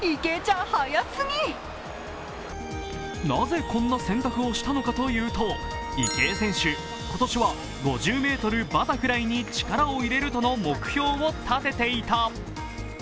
なぜこんな選択をしたのかというと池江選手、今年は５０ｍバタフライに力を入れるとの目標を立てていた。